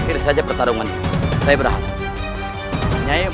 kiri saja pertarungannya saya berhenti nyaya mau berhenti menghasilkan rakyat